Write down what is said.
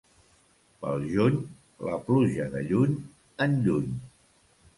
Pel juny, la pluja de lluny en lluny.